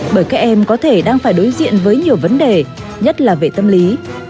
bởi các em có thể đang phải đối diện với nhiều vấn đề nhất là về tâm lý